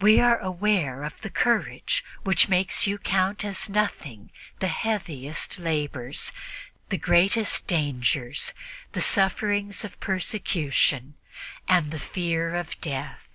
We are aware of the courage which makes you count as nothing the heaviest labors, the greatest dangers, the sufferings of persecution and the fear of death.